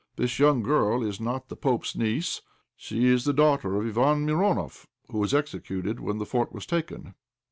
This young girl is not the pope's niece; she is the daughter of Iván Mironoff, who was executed when the fort was taken."